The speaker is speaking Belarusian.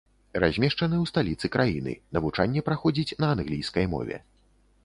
Размешчаны ў сталіцы краіны, навучанне праходзіць на англійскай мове.